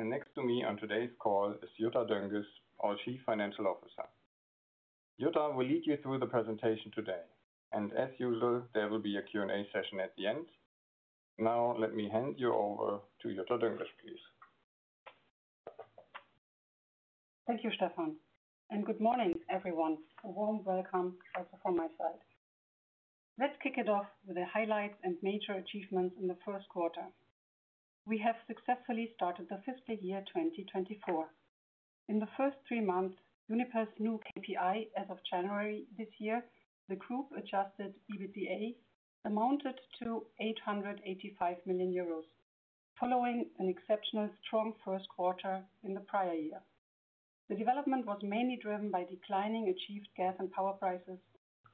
Next to me on today's call is Jutta Dönges, our Chief Financial Officer. Jutta will lead you through the presentation today, and as usual there will be a Q&A session at the end. Now let me hand you over to Jutta Dönges, please. Thank you, Stefan. Good morning, everyone. A warm welcome also from my side. Let's kick it off with the highlights and major achievements in the first quarter. We have successfully started the fiscal year 2024. In the first three months, Uniper's new KPI as of January this year, the group adjusted EBITDA, amounted to 885 million euros, following an exceptionally strong first quarter in the prior year. The development was mainly driven by declining achieved gas and power prices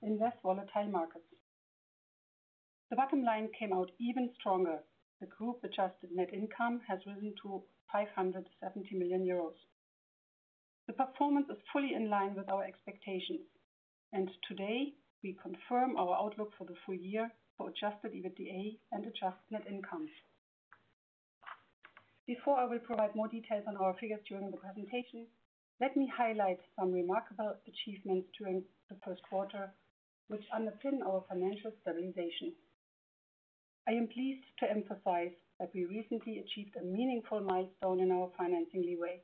in less volatile markets. The bottom line came out even stronger: the group adjusted net income has risen to 570 million euros. The performance is fully in line with our expectations, and today we confirm our outlook for the full year for adjusted EBITDA and adjusted net incomes. Before I will provide more details on our figures during the presentation, let me highlight some remarkable achievements during the first quarter, which underpin our financial stabilization. I am pleased to emphasize that we recently achieved a meaningful milestone in our financing leeway.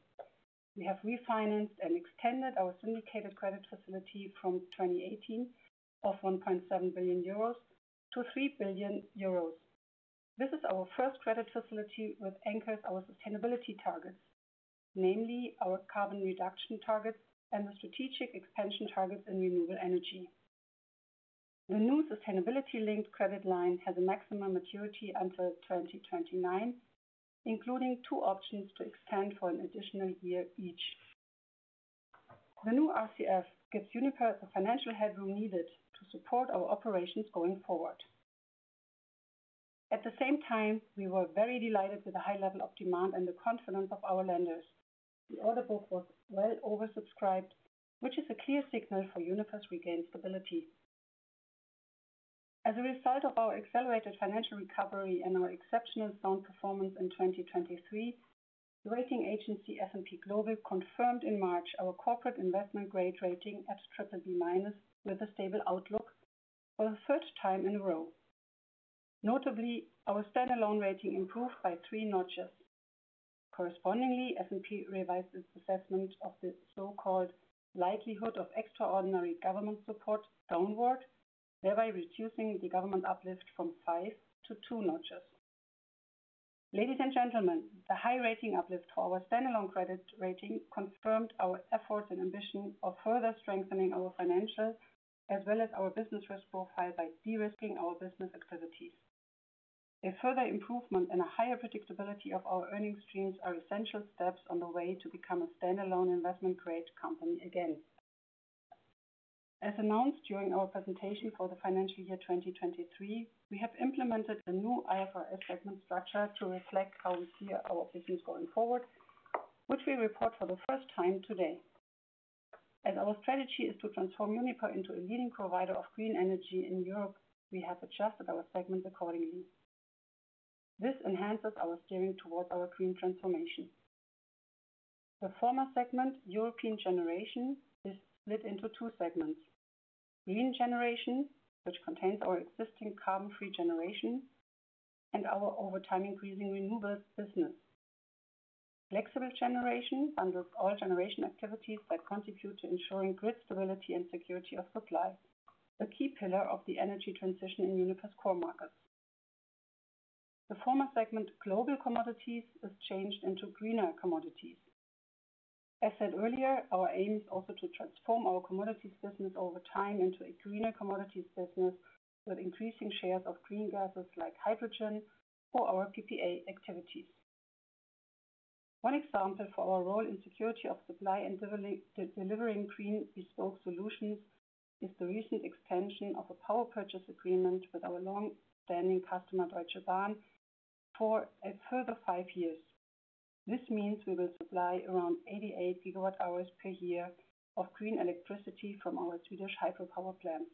We have refinanced and extended our syndicated credit facility from 2018 of 1.7 billion euros to 3 billion euros. This is our first credit facility that anchors our sustainability targets, namely our carbon reduction targets and the strategic expansion targets in renewable energy. The new sustainability-linked credit line has a maximum maturity until 2029, including two options to extend for an additional year each. The new RCF gives Uniper the financial headroom needed to support our operations going forward. At the same time, we were very delighted with the high level of demand and the confidence of our lenders. The order book was well oversubscribed, which is a clear signal for Uniper's regained stability. As a result of our accelerated financial recovery and our exceptionally strong performance in 2023, the rating agency S&P Global confirmed in March our corporate investment grade rating at BBB minus with a stable outlook for the third time in a row. Notably, our standalone rating improved by three notches. Correspondingly, S&P revised its assessment of the so-called likelihood of extraordinary government support downward, thereby reducing the government uplift from five to two notches. Ladies and gentlemen, the high rating uplift for our standalone credit rating confirmed our efforts and ambition of further strengthening our financial as well as our business risk profile by de-risking our business activities. A further improvement and a higher predictability of our earnings streams are essential steps on the way to become a standalone investment grade company again. As announced during our presentation for the financial year 2023, we have implemented a new IFRS segment structure to reflect how we see our business going forward, which we report for the first time today. As our strategy is to transform Uniper into a leading provider of green energy in Europe, we have adjusted our segments accordingly. This enhances our steering towards our green transformation. The former segment, European Generation, is split into two segments: Green Generation, which contains our existing carbon-free generation, and our ever-increasing renewables business. Flexible Generation bundles all generation activities that contribute to ensuring grid stability and security of supply, a key pillar of the energy transition in Uniper's core markets. The former segment, Global Commodities, is changed into Greener Commodities. As said earlier, our aim is also to transform our commodities business over time into a greener commodities business with increasing shares of green gases like hydrogen for our PPA activities. One example for our role in security of supply and delivering green bespoke solutions is the recent extension of a power purchase agreement with our long-standing customer Deutsche Bank for a further 5 years. This means we will supply around 88 gigawatt-hours per year of green electricity from our Swedish hydropower plants.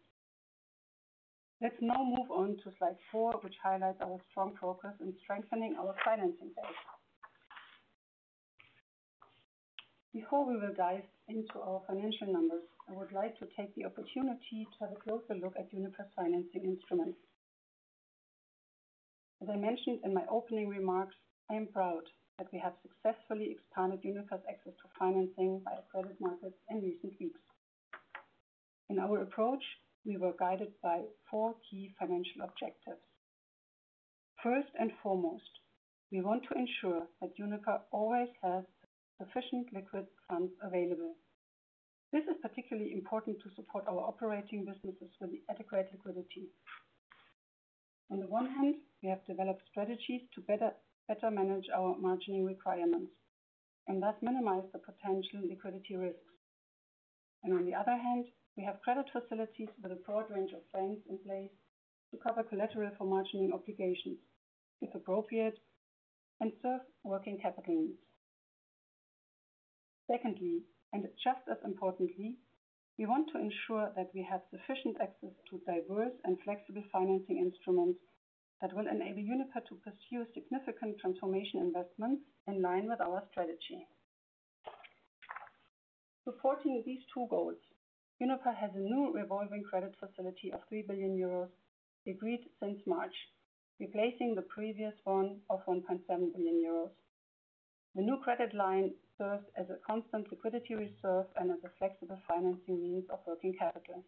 Let's now move on to slide 4, which highlights our strong focus in strengthening our financing base. Before we will dive into our financial numbers, I would like to take the opportunity to have a closer look at Uniper's financing instruments. As I mentioned in my opening remarks, I am proud that we have successfully expanded Uniper's access to financing via credit markets in recent weeks. In our approach, we were guided by four key financial objectives. First and foremost, we want to ensure that Uniper always has sufficient liquid funds available. This is particularly important to support our operating businesses with adequate liquidity. On the one hand, we have developed strategies to better manage our margining requirements and thus minimize the potential liquidity risks. On the other hand, we have credit facilities with a broad range of plans in place to cover collateral for margining obligations if appropriate and serve working capital needs. Secondly, and just as importantly, we want to ensure that we have sufficient access to diverse and flexible financing instruments that will enable Uniper to pursue significant transformation investments in line with our strategy. Supporting these two goals, Uniper has a new revolving credit facility of 3 billion euros agreed since March, replacing the previous one of 1.7 billion euros. The new credit line serves as a constant liquidity reserve and as a flexible financing means of working capital.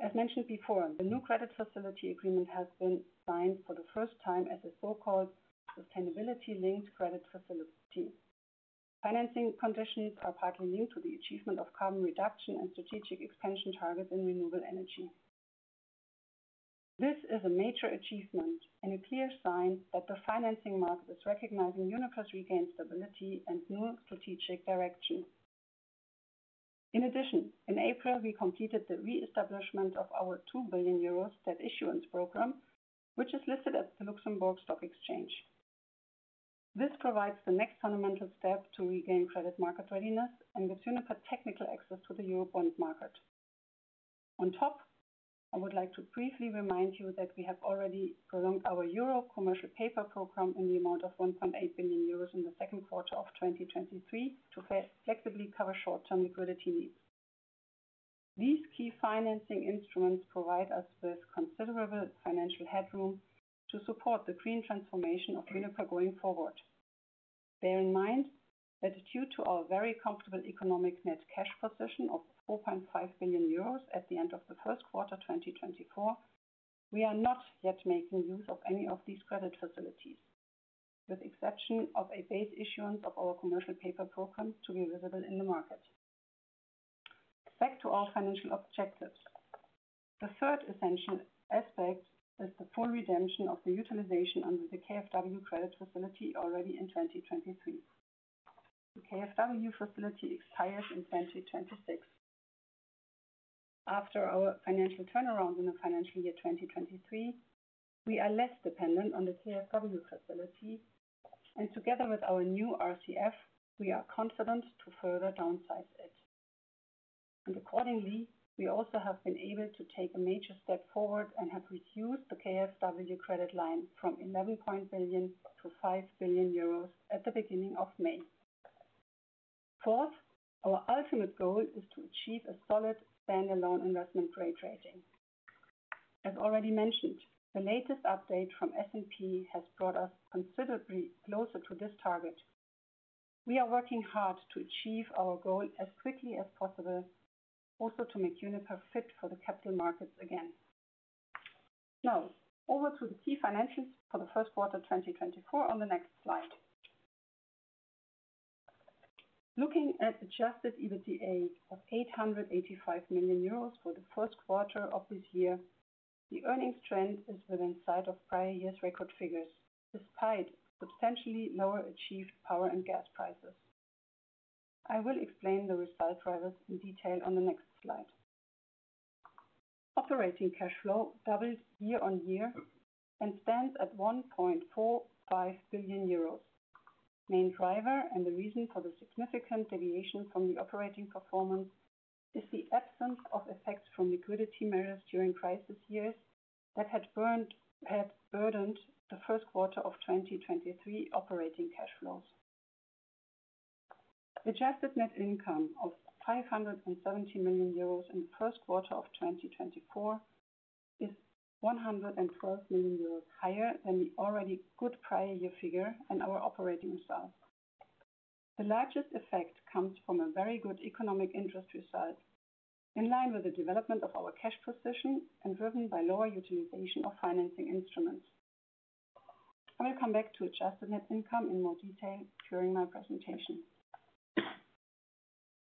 As mentioned before, the new credit facility agreement has been signed for the first time as a so-called sustainability-linked credit facility. Financing conditions are partly linked to the achievement of carbon reduction and strategic expansion targets in renewable energy. This is a major achievement and a clear sign that the financing market is recognizing Uniper's regained stability and new strategic direction. In addition, in April we completed the re-establishment of our 2 billion euros debt issuance program, which is listed at the Luxembourg Stock Exchange. This provides the next fundamental step to regain credit market readiness and gives Uniper technical access to the European bond market. On top, I would like to briefly remind you that we have already prolonged our EUR Commercial Paper Program in the amount of 1.8 billion euros in the second quarter of 2023 to flexibly cover short-term liquidity needs. These key financing instruments provide us with considerable financial headroom to support the green transformation of Uniper going forward. Bear in mind that due to our very comfortable Economic Net Cash position of 4.5 billion euros at the end of the first quarter 2024, we are not yet making use of any of these credit facilities, with the exception of a base issuance of our commercial paper program to be visible in the market. Back to our financial objectives. The third essential aspect is the full redemption of the utilization under the KfW credit facility already in 2023. The KfW facility expires in 2026. After our financial turnaround in the financial year 2023, we are less dependent on the KfW facility, and together with our new RCF, we are confident to further downsize it. Accordingly, we also have been able to take a major step forward and have reduced the KfW credit line from 11.0 billion to 5 billion euros at the beginning of May. Fourth, our ultimate goal is to achieve a solid standalone investment grade rating. As already mentioned, the latest update from S&P has brought us considerably closer to this target. We are working hard to achieve our goal as quickly as possible, also to make Uniper fit for the capital markets again. Now, over to the key financials for the first quarter 2024 on the next slide. Looking at Adjusted EBITDA of 885 million euros for the first quarter of this year, the earnings trend is within sight of prior year's record figures, despite substantially lower achieved power and gas prices. I will explain the result drivers in detail on the next slide. Operating cash flow doubled year-over-year and stands at 1.45 billion euros. The main driver and the reason for the significant deviation from the operating performance is the absence of effects from liquidity measures during crisis years that had burdened the first quarter of 2023 operating cash flows. Adjusted Net Income of 570 million euros in the first quarter of 2024 is 112 million euros higher than the already good prior year figure and our operating results. The largest effect comes from a very good economic interest result, in line with the development of our cash position and driven by lower utilization of financing instruments. I will come back to adjusted net income in more detail during my presentation.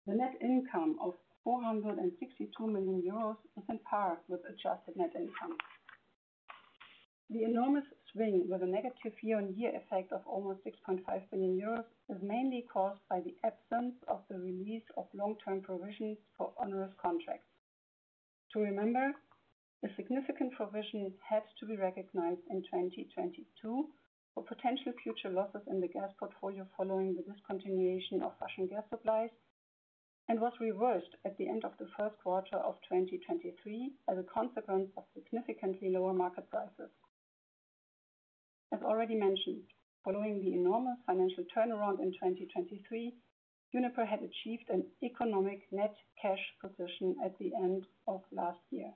The net income of 462 million euros is on par with adjusted net income. The enormous swing with a negative year-on-year effect of almost 6.5 billion euros is mainly caused by the absence of the release of long-term provisions for onerous contracts. To remember, a significant provision had to be recognized in 2022 for potential future losses in the gas portfolio following the discontinuation of Russian gas supplies and was reversed at the end of the first quarter of 2023 as a consequence of significantly lower market prices. As already mentioned, following the enormous financial turnaround in 2023, Uniper had achieved an Economic Net Cash position at the end of last year.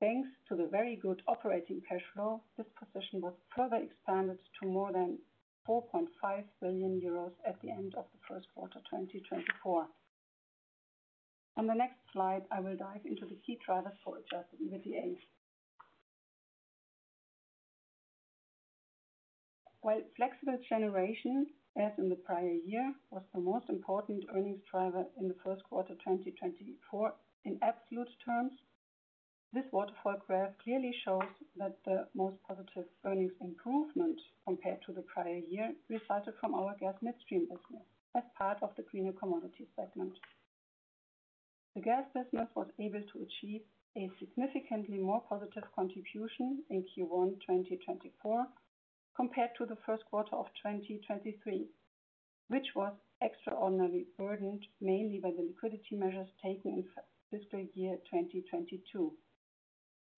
Thanks to the very good operating cash flow, this position was further expanded to more than 4.5 billion euros at the end of the first quarter 2024. On the next slide, I will dive into the key drivers for Adjusted EBITDA. While Flexible Generation, as in the prior year, was the most important earnings driver in the first quarter 2024 in absolute terms, this waterfall graph clearly shows that the most positive earnings improvement compared to the prior year resulted from our gas midstream business as part of the Greener Commodities segment. The gas business was able to achieve a significantly more positive contribution in Q1 2024 compared to the first quarter of 2023, which was extraordinarily burdened mainly by the liquidity measures taken in fiscal year 2022.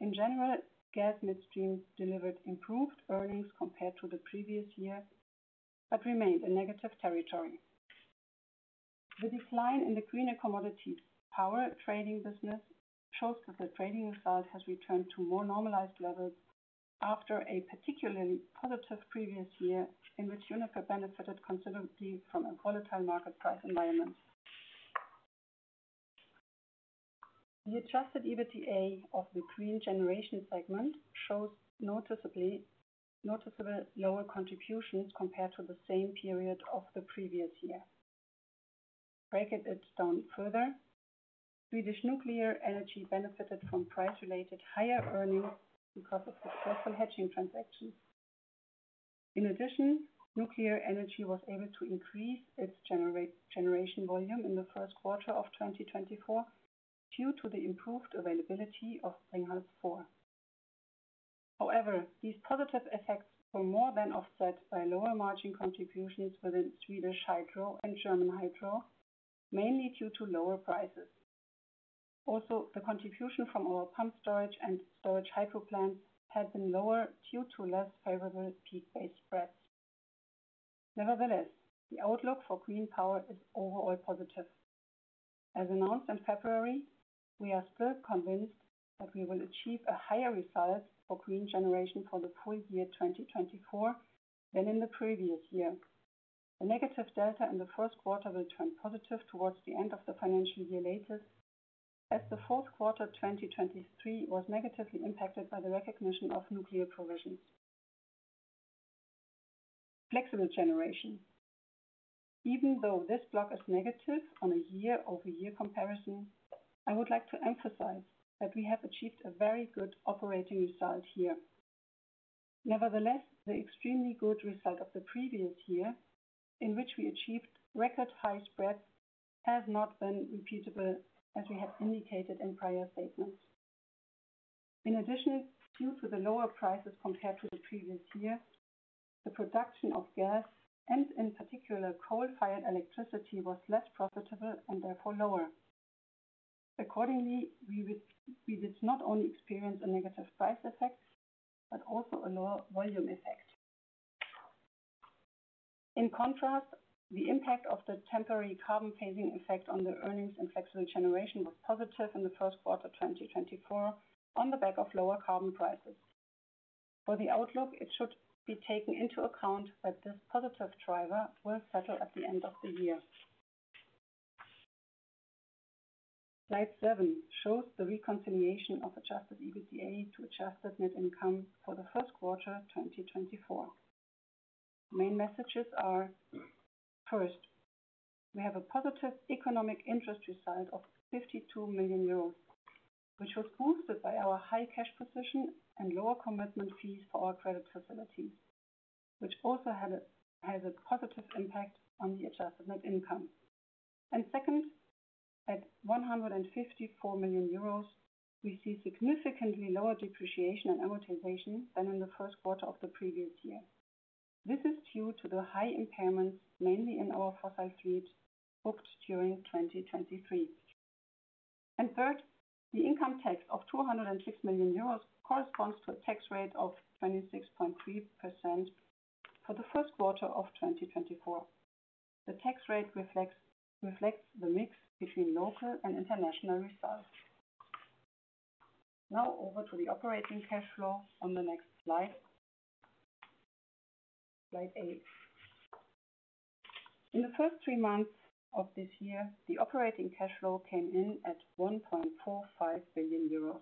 In general, gas midstream delivered improved earnings compared to the previous year but remained in negative territory. The decline in the Greener Commodities power trading business shows that the trading result has returned to more normalized levels after a particularly positive previous year in which Uniper benefited considerably from a volatile market price environment. The Adjusted EBITDA of the Green Generation segment shows noticeably noticeable lower contributions compared to the same period of the previous year. Break it down further: Swedish nuclear energy benefited from price-related higher earnings because of successful hedging transactions. In addition, nuclear energy was able to increase its generation volume in the first quarter of 2024 due to the improved availability of Ringhals 4. However, these positive effects were more than offset by lower margin contributions within Swedish hydro and German hydro, mainly due to lower prices. Also, the contribution from our pump storage and storage hydro plants had been lower due to less favorable peak-based spreads. Nevertheless, the outlook for green power is overall positive. As announced in February, we are still convinced that we will achieve a higher result for green generation for the full year 2024 than in the previous year. The negative delta in the first quarter will turn positive towards the end of the financial year latest, as the fourth quarter 2023 was negatively impacted by the recognition of nuclear provisions. Flexible Generation: Even though this block is negative on a year-over-year comparison, I would like to emphasize that we have achieved a very good operating result here. Nevertheless, the extremely good result of the previous year, in which we achieved record high spreads, has not been repeatable as we had indicated in prior statements. In addition, due to the lower prices compared to the previous year, the production of gas and, in particular, coal-fired electricity was less profitable and therefore lower. Accordingly, we did not only experience a negative price effect but also a lower volume effect. In contrast, the impact of the temporary carbon-phasing effect on the earnings and flexible generation was positive in the first quarter 2024 on the back of lower carbon prices. For the outlook, it should be taken into account that this positive driver will settle at the end of the year. Slide 7 shows the reconciliation of adjusted EBITDA to adjusted net income for the first quarter 2024. The main messages are: First, we have a positive economic interest result of 52 million euros, which was boosted by our high cash position and lower commitment fees for our credit facilities, which also has a positive impact on the adjusted net income. And second, at 154 million euros, we see significantly lower depreciation and amortization than in the first quarter of the previous year. This is due to the high impairments mainly in our fossil fleet booked during 2023. And third, the income tax of 206 million euros corresponds to a tax rate of 26.3% for the first quarter of 2024. The tax rate reflects the mix between local and international results. Now over to the operating cash flow on the next slide. Slide 8. In the first three months of this year, the operating cash flow came in at 1.45 billion euros.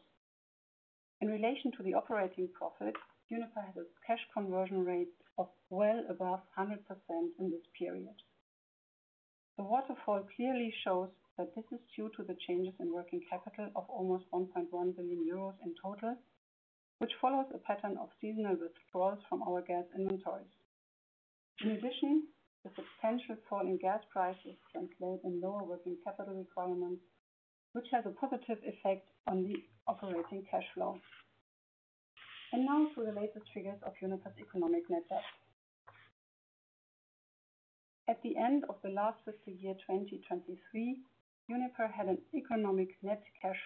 In relation to the operating profit, Uniper has a cash conversion rate of well above 100% in this period. The waterfall clearly shows that this is due to the changes in working capital of almost 1.1 billion euros in total, which follows a pattern of seasonal withdrawals from our gas inventories. In addition, the substantial fall in gas prices translate in lower working capital requirements, which has a positive effect on the operating cash flow. Now to the latest figures of Uniper's economic net debt. At the end of the last fiscal year 2023, Uniper had an economic net cash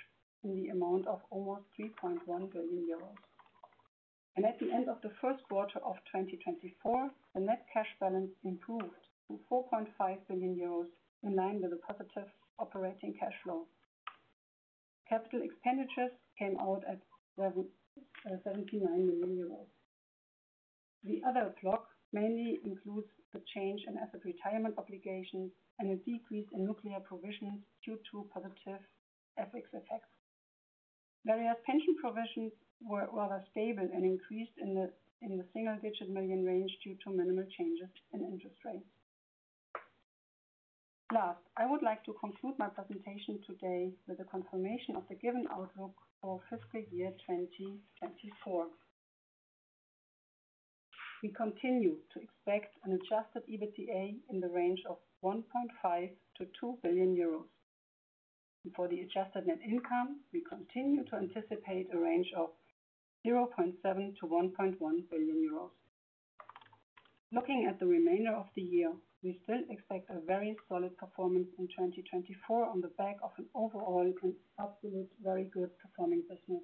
in the amount of almost 3.1 billion euros. At the end of the first quarter of 2024, the net cash balance improved to 4.5 billion euros in line with a positive operating cash flow. Capital expenditures came out at 79 million euros. The other block mainly includes the change in asset retirement obligations and a decrease in nuclear provisions due to positive FX effects. Various pension provisions were rather stable and increased in the single-digit million range due to minimal changes in interest rates. Last, I would like to conclude my presentation today with the confirmation of the given outlook for fiscal year 2024. We continue to expect an Adjusted EBITDA in the range of 1.5 billion-2 billion euros. For the Adjusted Net Income, we continue to anticipate a range of 0.7 billion-1.1 billion euros. Looking at the remainder of the year, we still expect a very solid performance in 2024 on the back of an overall and absolute very good performing business.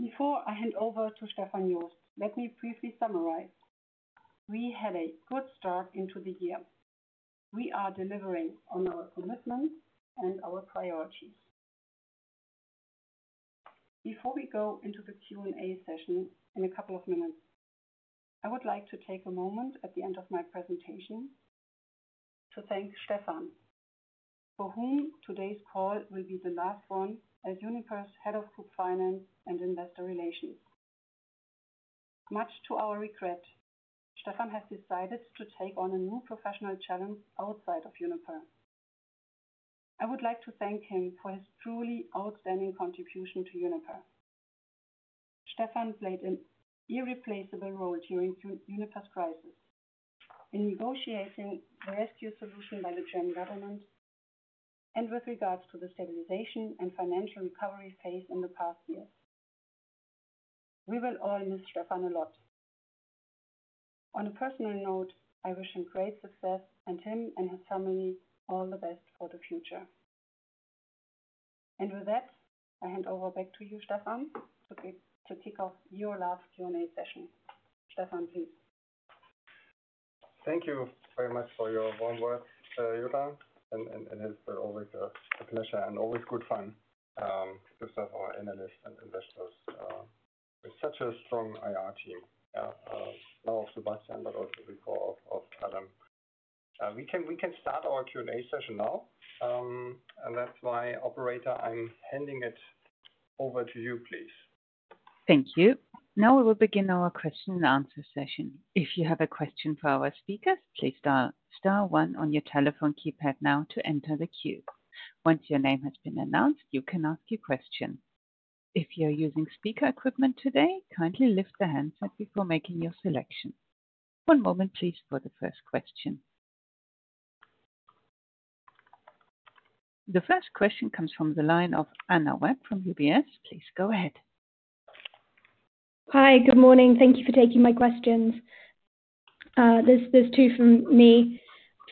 Before I hand over to Stefan Jost, let me briefly summarize: We had a good start into the year. We are delivering on our commitments and our priorities. Before we go into the Q&A session in a couple of minutes, I would like to take a moment at the end of my presentation to thank Stefan, for whom today's call will be the last one as Uniper's head of group finance and investor relations. Much to our regret, Stefan has decided to take on a new professional challenge outside of Uniper. I would like to thank him for his truly outstanding contribution to Uniper. Stefan played an irreplaceable role during Uniper's crisis in negotiating the rescue solution by the German government and with regards to the stabilization and financial recovery phase in the past years. We will all miss Stefan a lot. On a personal note, I wish him great success and him and his family all the best for the future. And with that, I hand over back to you, Stefan, to kick off your last Q&A session. Stefan, please. Thank you very much for your warm words, Jutta, and it has been always a pleasure and always good fun to serve our analysts and investors. We have such a strong IR team, now of Sebastian, but also before of Adam. We can start our Q&A session now, and that's my operator. I'm handing it over to you, please. Thank you. Now we will begin our question and answer session. If you have a question for our speakers, please star one on your telephone keypad now to enter the queue. Once your name has been announced, you can ask your question. If you're using speaker equipment today, kindly lift the handset before making your selection. One moment, please, for the first question. The first question comes from the line of Anna Webb from UBS. Please go ahead. Hi, good morning. Thank you for taking my questions. There's two from me.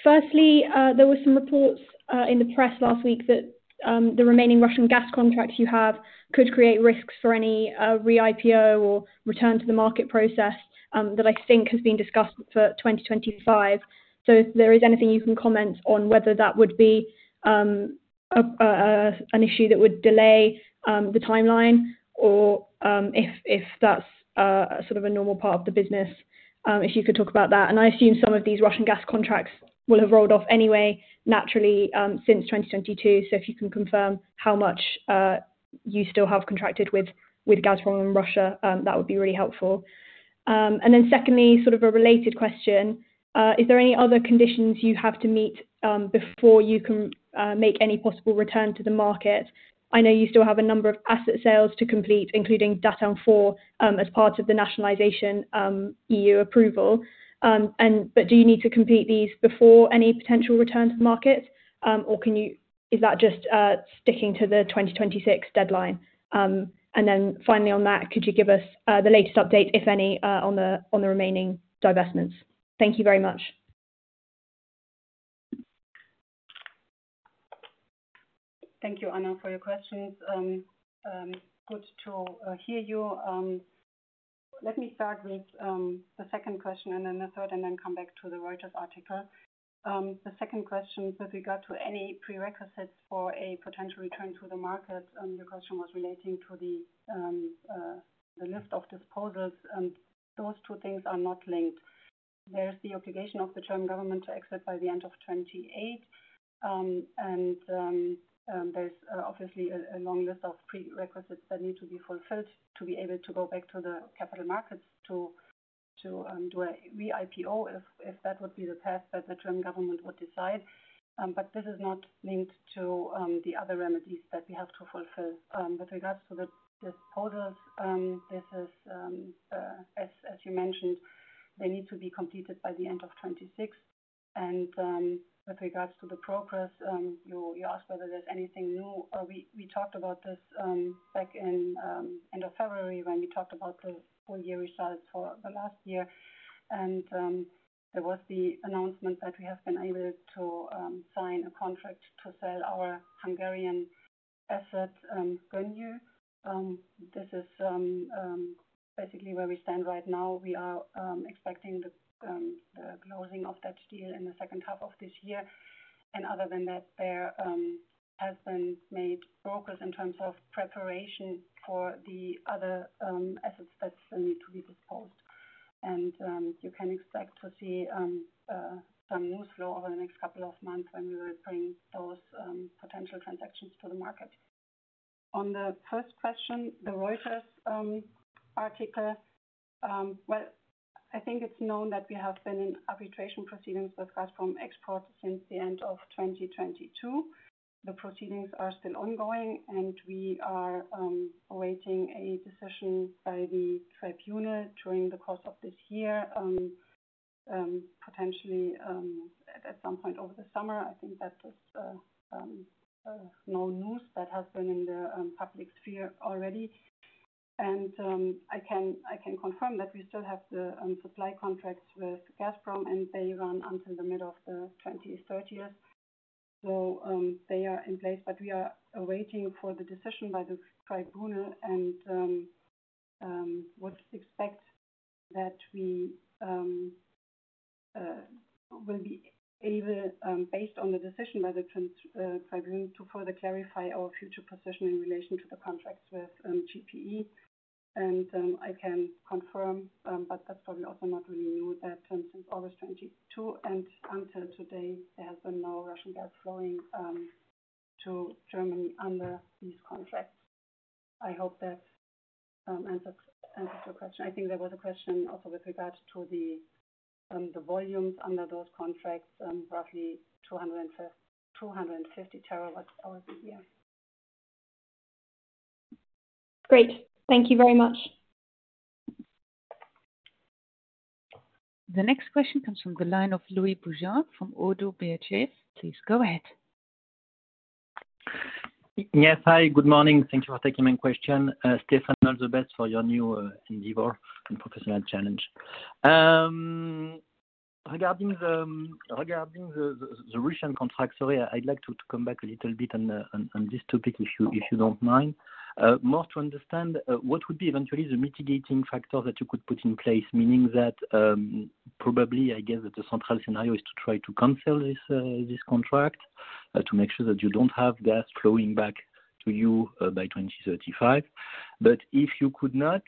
Firstly, there were some reports in the press last week that the remaining Russian gas contracts you have could create risks for any re-IPO or return to the market process that I think has been discussed for 2025. So if there is anything you can comment on whether that would be an issue that would delay the timeline or if that's sort of a normal part of the business, if you could talk about that. And I assume some of these Russian gas contracts will have rolled off anyway naturally since 2022. So if you can confirm how much you still have contracted with Gazprom and Russia, that would be really helpful. Then secondly, sort of a related question: Is there any other conditions you have to meet before you can make any possible return to the market? I know you still have a number of asset sales to complete, including Datteln 4 as part of the nationalization EU approval. Do you need to complete these before any potential return to the market, or is that just sticking to the 2026 deadline? Finally on that, could you give us the latest update, if any, on the remaining divestments? Thank you very much. Thank you, Anna, for your questions. Good to hear you. Let me start with the second question and then the third, and then come back to the Reuters article. The second question, with regard to any prerequisites for a potential return to the market, your question was relating to the lift of disposals. Those two things are not linked. There's the obligation of the German government to exit by the end of 2028, and there's obviously a long list of prerequisites that need to be fulfilled to be able to go back to the capital markets to do a re-IPO, if that would be the path that the German government would decide. But this is not linked to the other remedies that we have to fulfill. With regards to the disposals, this is, as you mentioned, they need to be completed by the end of 2026. With regards to the progress, you asked whether there's anything new. We talked about this back in end of February when we talked about the full-year results for the last year. And there was the announcement that we have been able to sign a contract to sell our Hungarian asset, Gönyű. This is basically where we stand right now. We are expecting the closing of that deal in the second half of this year. And other than that, there has been made progress in terms of preparation for the other assets that still need to be disposed. And you can expect to see some news flow over the next couple of months when we will bring those potential transactions to the market. On the first question, the Reuters article, well, I think it's known that we have been in arbitration proceedings with Gazprom Export since the end of 2022. The proceedings are still ongoing, and we are awaiting a decision by the tribunal during the course of this year, potentially at some point over the summer. I think that is no news that has been in the public sphere already. I can confirm that we still have the supply contracts with Gazprom, and they run until the middle of the 2020s, 2030s. So they are in place, but we are awaiting for the decision by the tribunal and would expect that we will be able, based on the decision by the tribunal, to further clarify our future position in relation to the contracts with GPE. I can confirm, but that's probably also not really new, that since August 2022 and until today, there has been no Russian gas flowing to Germany under these contracts. I hope that answers your question. I think there was a question also with regard to the volumes under those contracts, roughly 250 TWh a year. Great. Thank you very much. The next question comes from the line of Louis Boujard from ODDO BHF. Please go ahead. Yes, hi. Good morning. Thank you for taking my question. Stefan, all the best for your new endeavor and professional challenge. Regarding the Russian contracts, sorry, I'd like to come back a little bit on this topic, if you don't mind. More to understand, what would be eventually the mitigating factors that you could put in place, meaning that probably, I guess, that the central scenario is to try to cancel this contract to make sure that you don't have gas flowing back to you by 2035. But if you could not,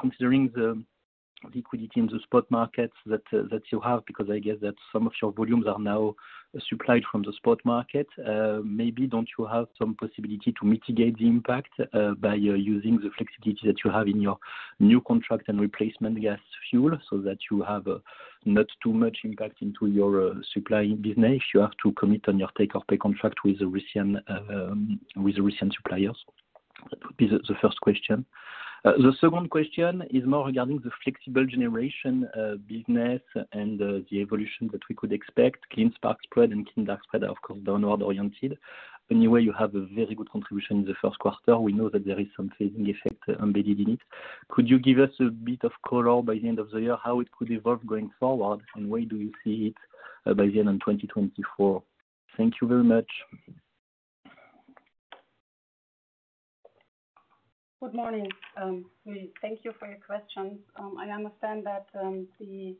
considering the liquidity in the spot markets that you have, because I guess that some of your volumes are now supplied from the spot market, maybe don't you have some possibility to mitigate the impact by using the flexibility that you have in your new contract and replacement gas fuel so that you have not too much impact into your supply business if you have to commit on your take-or-pay contract with the Russian suppliers? That would be the first question. The second question is more regarding the Flexible Generation business and the evolution that we could expect. Clean Spark Spread and Clean Dark Spread are, of course, downward-oriented. Anyway, you have a very good contribution in the first quarter. We know that there is some phasing effect embedded in it. Could you give us a bit of color by the end of the year, how it could evolve going forward, and where do you see it by the end of 2024? Thank you very much. Good morning, Louis. Thank you for your questions. I understand that the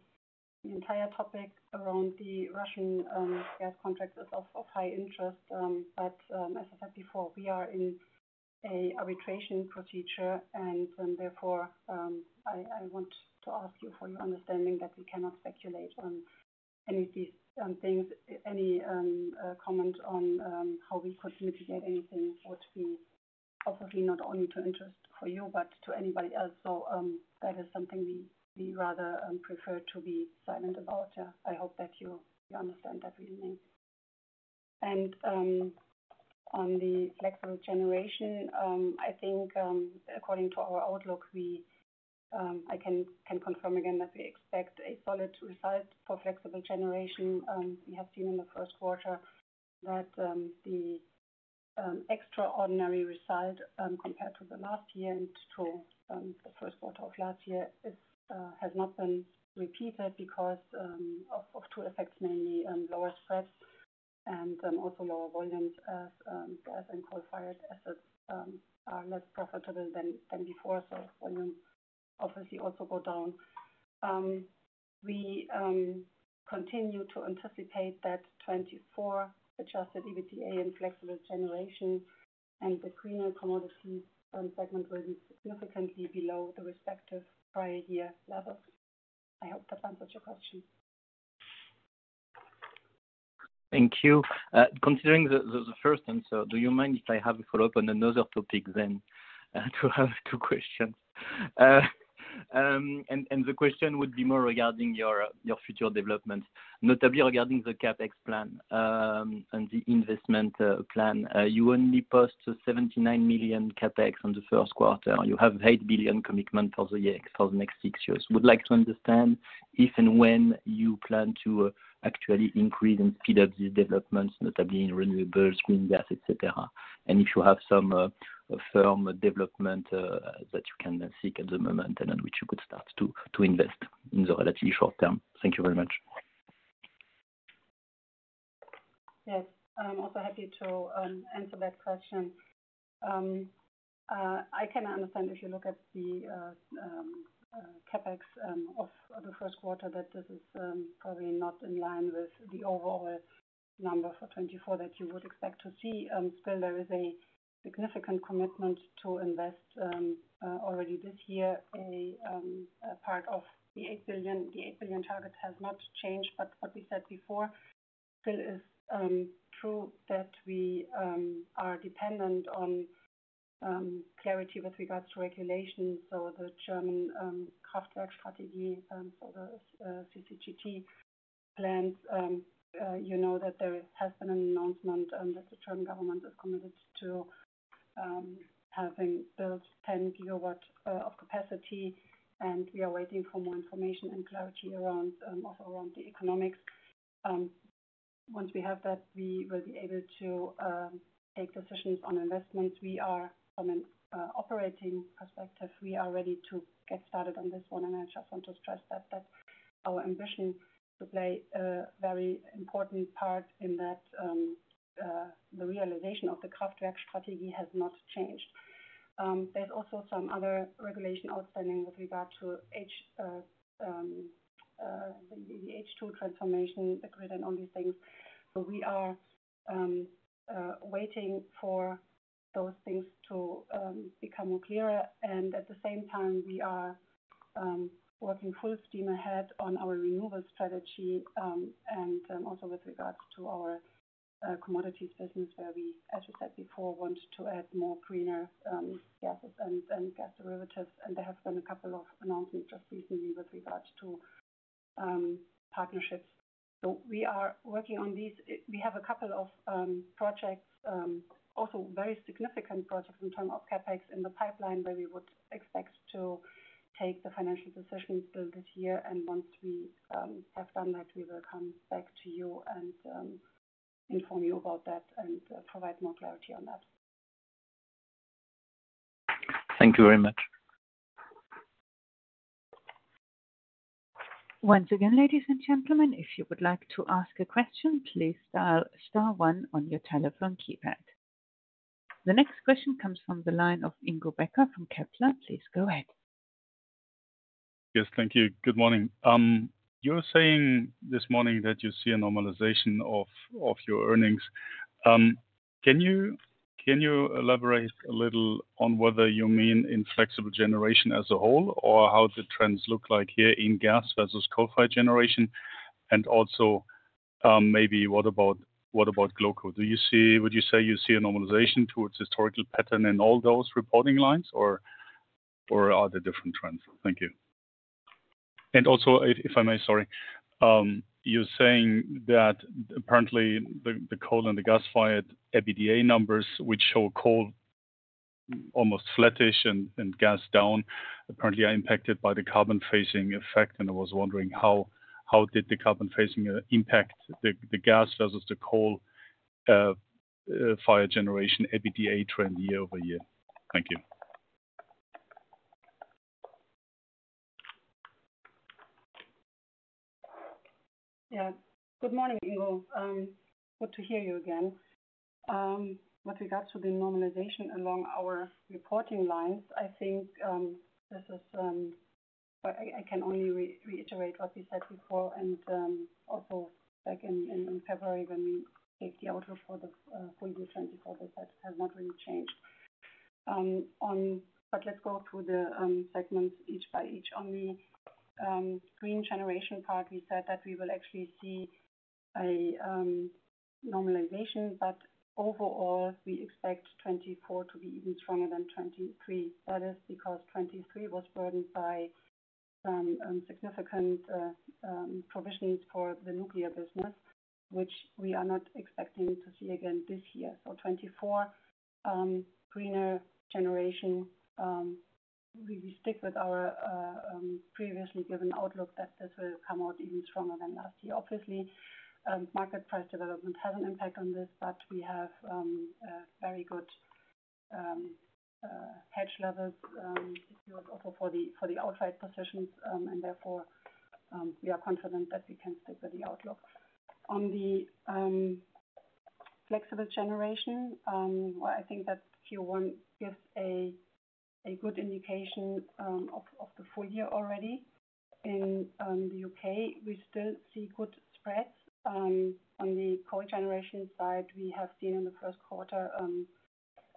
entire topic around the Russian gas contracts is of high interest, but as I said before, we are in an arbitration procedure, and therefore, I want to ask you for your understanding that we cannot speculate on any of these things. Any comment on how we could mitigate anything would be obviously not only of interest for you but to anybody else. So that is something we rather prefer to be silent about. Yeah, I hope that you understand that reasoning. And on the flexible generation, I think, according to our outlook, we I can confirm again that we expect a solid result for flexible generation. We have seen in the first quarter that the extraordinary result compared to the last year and to the first quarter of last year has not been repeated because of two effects, mainly lower spreads and also lower volumes, as gas and coal-fired assets are less profitable than before. Volumes obviously also go down. We continue to anticipate that 2024 Adjusted EBITDA in Flexible Generation and the Greener Commodities segment will be significantly below the respective prior-year levels. I hope that answers your question. Thank you. Considering the first one, so do you mind if I have a follow-up on another topic then? I do have two questions. The question would be more regarding your future developments, notably regarding the CapEx plan and the investment plan. You only posted 79 million CapEx on the first quarter. You have 8 billion commitment for the next six years. Would like to understand if and when you plan to actually increase and speed up these developments, notably in renewables, green gas, etc., and if you have some firm development that you can seek at the moment and on which you could start to invest in the relatively short term. Thank you very much. Yes. I'm also happy to answer that question. I can understand if you look at the CAPEX of the first quarter that this is probably not in line with the overall number for 2024 that you would expect to see. Still, there is a significant commitment to invest already this year. A part of the 8 billion target has not changed, but what we said before still is true that we are dependent on clarity with regards to regulation. So the German, so the CCGT plans, you know that there has been an announcement that the German government is committed to having built 10 GW of capacity, and we are waiting for more information and clarity also around the economics. Once we have that, we will be able to take decisions on investments. From an operating perspective, we are ready to get started on this one, and I just want to stress that our ambition to play a very important part in that the realization of the has not changed. There's also some other regulation outstanding with regard to the H2 transformation, the grid, and all these things. So we are waiting for those things to become more clearer, and at the same time, we are working full steam ahead on our renewable strategy and also with regards to our commodities business where we, as we said before, want to add more greener gases and gas derivatives. And there have been a couple of announcements just recently with regards to partnerships. So we are working on these. We have a couple of projects, also very significant projects in terms of CapEx in the pipeline where we would expect to take the financial decisions still this year. Once we have done that, we will come back to you and inform you about that and provide more clarity on that. Thank you very much. Once again, ladies and gentlemen, if you would like to ask a question, please dial star one on your telephone keypad. The next question comes from the line of Ingo Becker from Kepler. Please go ahead. Yes, thank you. Good morning. You were saying this morning that you see a normalization of your earnings. Can you elaborate a little on whether you mean in flexible generation as a whole or how the trends look like here in gas versus coal-fired generation? And also maybe what about Would you say you see a normalization towards historical pattern in all those reporting lines, or are there different trends? Thank you. And also, if I may, sorry, you're saying that apparently the coal and the gas-fired EBITDA numbers, which show coal almost flattish and gas down, apparently are impacted by the carbon-phasing effect. And I was wondering, how did the carbon-phasing impact the gas versus the coal-fired generation EBITDA trend year-over-year? Thank you. Yeah. Good morning, Ingo. Good to hear you again. With regards to the normalization along our reporting lines, I think I can only reiterate what we said before. And also back in February when we gave the outlook for the full year 2024, they said it has not really changed. But let's go through the segments each by each. On the Green Generation part, we said that we will actually see a normalization, but overall, we expect 2024 to be even stronger than 2023. That is because 2023 was burdened by significant provisions for the nuclear business, which we are not expecting to see again this year. So 2024, Green Generation, we stick with our previously given outlook that this will come out even stronger than last year. Obviously, market price development has an impact on this, but we have very good hedge levels also for the outright positions, and therefore, we are confident that we can stick with the outlook. On the flexible generation, well, I think that Q1 gives a good indication of the full year already. In the U.K., we still see good spreads. On the coal generation side, we have seen in the first quarter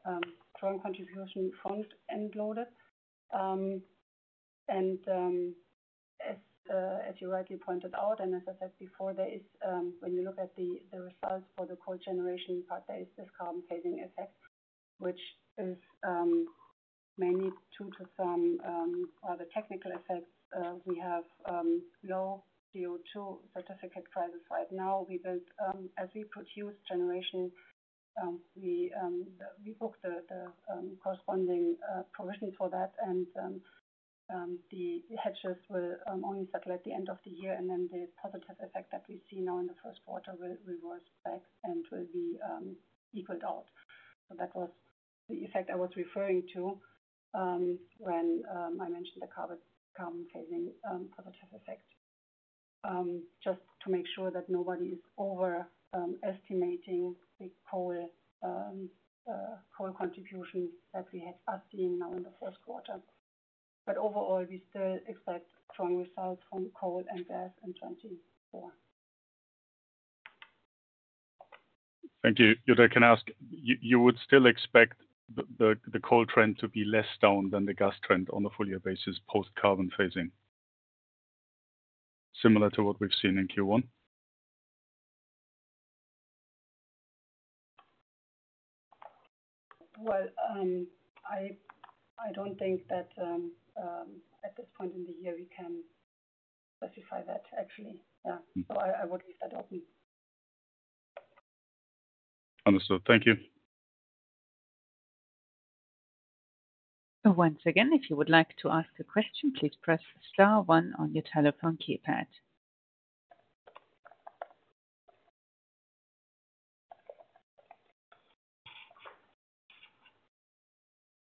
strong contribution from end-loaded. And as you rightly pointed out, and as I said before, when you look at the results for the coal generation part, there is this carbon-phasing effect, which may need due to some other technical effects. We have low CO2 certificate prices right now. As we produce generation, we book the corresponding provisions for that, and the hedges will only settle at the end of the year, and then the positive effect that we see now in the first quarter will reverse back and will be equaled out. So that was the effect I was referring to when I mentioned the carbon-phasing positive effect, just to make sure that nobody is overestimating the coal contribution that we are seeing now in the first quarter. But overall, we still expect strong results from coal and gas in 2024. Thank you. Jutta, can I ask, you would still expect the coal trend to be less down than the gas trend on a full-year basis post-carbon phasing, similar to what we've seen in Q1? Well, I don't think that at this point in the year, we can specify that, actually. Yeah. So I would leave that open. Understood. Thank you. So once again, if you would like to ask a question, please press star one on your telephone keypad.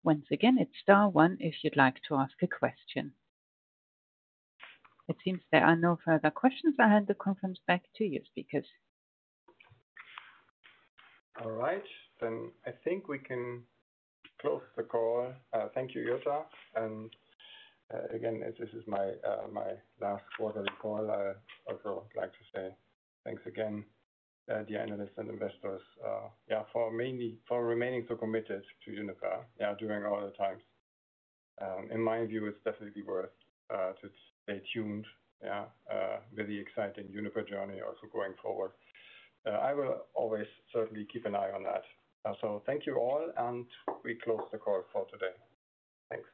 Once again, it's star one if you'd like to ask a question. It seems there are no further questions. I'll hand the conference back to you, speakers. All right. Then I think we can close the call. Thank you, Jutta. And again, this is my last quarterly call. I also would like to say thanks again, dear analysts and investors, yeah, for remaining so committed to Uniper, yeah, during all the times. In my view, it's definitely worth staying tuned, yeah, with the exciting Uniper journey also going forward. I will always certainly keep an eye on that. So thank you all, and we close the call for today. Thanks.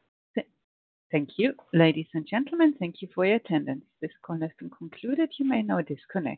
Thank you, ladies and gentlemen. Thank you for your attendance. This call has been concluded. You may now disconnect.